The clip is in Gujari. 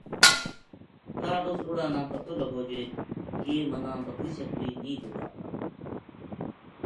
کاہڈ اس لُڑا نا پتو لگو جے یہ مَنا بکری شکری نیہہ دیتا